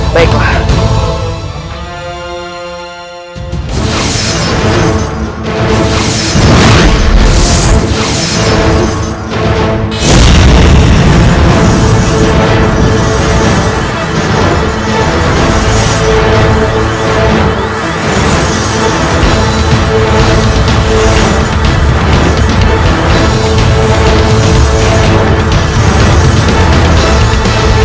satukan dengan kekuatanmu